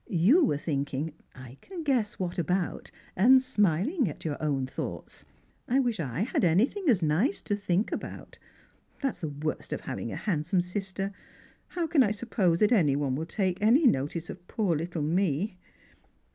You were thinking — I can guess what about — and smiling at your own thoughts. I wish I had anything as nice to think about. That's the worst of having a handsome sister. How can I suppose that any one will ever take any notice of poor little me?"